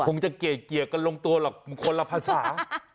คงจะเกลี่ยกันลงตัวหรอกคนละภาษา